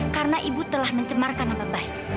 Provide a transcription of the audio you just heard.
karena ibu telah mencemarkan nama baik